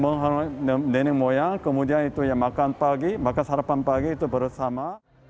nenek moyang kemudian makan pagi makan sarapan pagi bersama